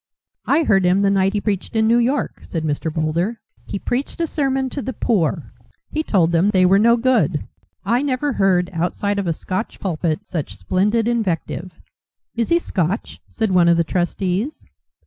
"I heard him the night he preached in New York," said Mr. Boulder. "He preached a sermon to the poor. He told them they were no good. I never heard, outside of a Scotch pulpit, such splendid invective." "Is he Scotch?" said one of the trustees.